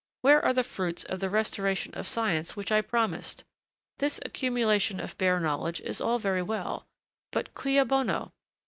Where are the fruits of the restoration of science which I promised? This accumulation of bare knowledge is all very well, but cui bono?